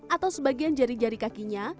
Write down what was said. atau sebagian jari jari kaki mumi